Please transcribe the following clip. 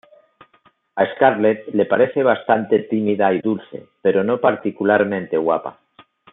A Scarlett le parece bastante tímida y dulce pero no particularmente guapa.